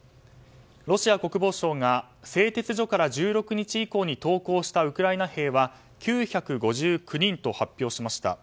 ロシア国防省が製鉄所から１６日以降に投降したウクライナ兵は９５９人と発表しました。